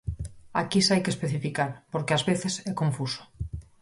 Aquí xa hai que especificar, porque ás veces é confuso.